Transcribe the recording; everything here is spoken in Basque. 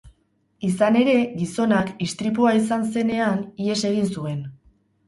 Izan ere, gizonak, istripua izan zenean, ihes egin zuen.